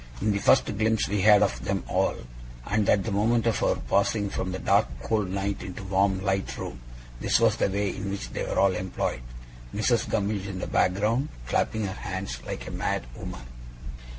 In the first glimpse we had of them all, and at the moment of our passing from the dark cold night into the warm light room, this was the way in which they were all employed: Mrs. Gummidge in the background, clapping her hands like a madwoman.